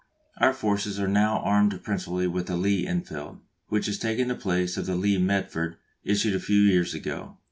Our forces are now armed principally with the Lee Enfield, which is taking the place of the Lee Metford issued a few years ago.